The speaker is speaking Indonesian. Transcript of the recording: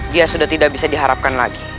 dia sudah tidak bisa diharapkan lagi